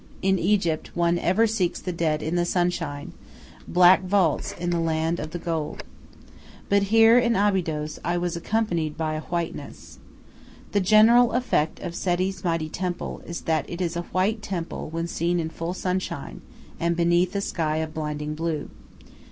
In Egypt one ever seeks the dead in the sunshine, black vaults in the land of the gold. But here in Abydos I was accompanied by whiteness. The general effect of Seti's mighty temple is that it is a white temple when seen in full sunshine and beneath a sky of blinding blue.